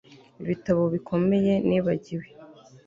ibitabo bikomeye nibagiwe